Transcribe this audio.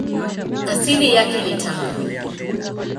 Asili yake ni Tanga.